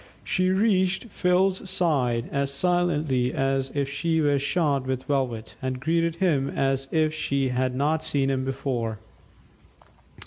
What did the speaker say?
She reached Phil's side as silently as if she were shod with velvet, and greeted him as if she had not seen him before.